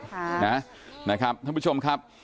ขอให้หายไวนะลูกนะครับท่านผู้ชมครับ